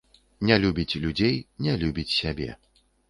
Не любіць людзей, не любіць сябе.